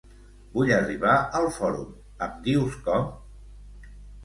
Vull arribar al Fòrum, em dius com?